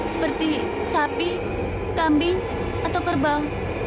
seperti sapi kambing atau kerbau